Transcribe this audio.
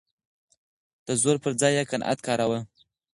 د زور پر ځای يې قناعت کاراوه.